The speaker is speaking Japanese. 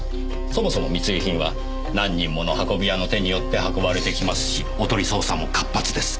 そもそも密輸品は何人もの運び屋の手によって運ばれてきますしおとり捜査も活発です。